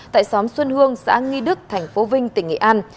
tại xóm xuân hương xã nghi đức thành phố vinh tỉnh nghệ an